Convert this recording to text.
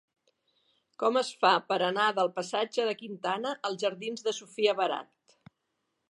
Com es fa per anar del passatge de Quintana als jardins de Sofia Barat?